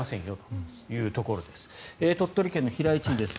鳥取県の平井知事です。